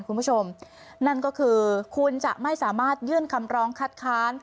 คุณผู้ชมนั่นก็คือคุณจะไม่สามารถยื่นคำร้องคัดค้าน